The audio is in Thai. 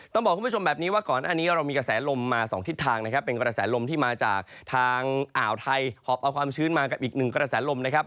ต้องบอกคุณผู้ชมแบบนี้ว่าก่อนหน้านี้เรามีกระแสลมมาสองทิศทางนะครับเป็นกระแสลมที่มาจากทางอ่าวไทยหอบเอาความชื้นมากับอีกหนึ่งกระแสลมนะครับ